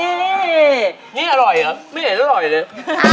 นี่นี่อร่อยเหรอไม่เห็นอร่อยเลย